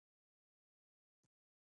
هندوکش د افغان کلتور سره تړاو لري.